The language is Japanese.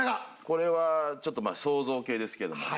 これはちょっと想像系ですけども。